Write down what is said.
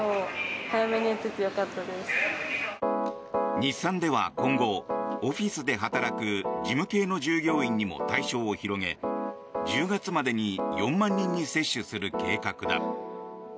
日産では今後、オフィスで働く事務系の従業員にも対象を広げ、１０月までに４万人に接種する計画だ。